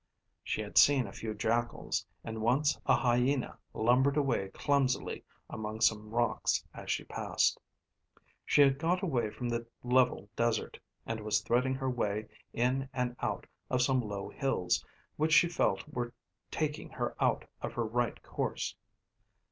She had seen a few jackals, and once a hyena lumbered away clumsily among some rocks as she passed. She had got away from the level desert, and was threading her way in and out of some low hills, which she felt were taking her out of her right course.